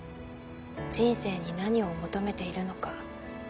人生に何を求めているのか。